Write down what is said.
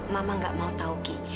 mama nggak mau tahu ki